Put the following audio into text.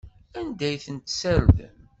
Anda ay ten-tessardem?